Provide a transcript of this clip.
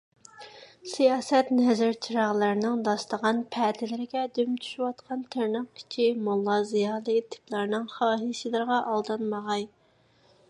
سىياسەت نەزىر -چىراغلىرىنىڭ داستىخان - پەتىلىرىگە دۈم چۈشۈۋاتقان تىرناق ئىچى «موللا - زىيالىي» تىپلارنىڭ خاھىشلىرىغا ئالدانمىغاي.